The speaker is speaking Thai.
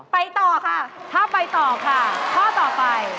ไปต่อค่ะ